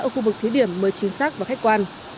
ở khu vực thí điểm mới chính xác và khách quan